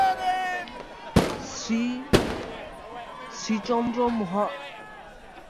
শ্রীশচন্দ্র কলকাতার শেরিফ ও বঙ্গীয় সাহিত্য পরিষদের সহকারী সভাপতি ও ছিলেন।